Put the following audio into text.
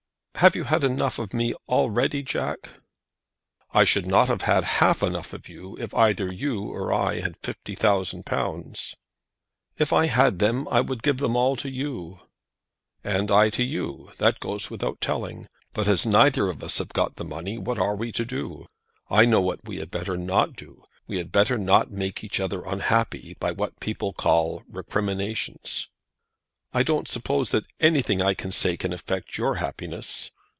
"Have you had enough of me already, Jack?" "I should not have had half enough of you if either you or I had fifty thousand pounds." "If I had them I would give them all to you." "And I to you. That goes without telling. But as neither of us have got the money, what are we to do? I know what we had better not do. We had better not make each other unhappy by what people call recriminations." "I don't suppose that anything I say can affect your happiness."